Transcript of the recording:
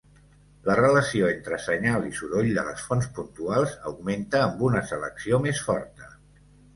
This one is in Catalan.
La relació entre senyal i soroll de les fonts puntuals augmenta amb una selecció més forta.